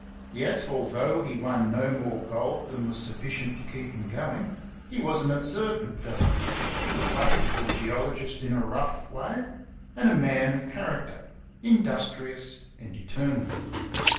Yet al though he won no more gold than was sufficient to keep him going, he was an observant fellow, a practical geol ogist in a rough way, and a man of character, industrious and determined.